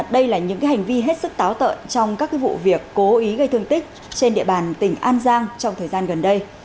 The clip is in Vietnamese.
đây là những hành vi hết sức táo tợn trong các vụ việc cố ý gây thương tích trên địa bàn tỉnh an giang trong thời gian gần đây